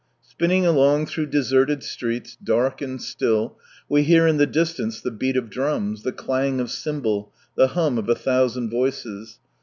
Spinning along through deserted streets, dark and still, we hear in the distance the beat of drums, the clang of cymbal, the hum of a thousand voices.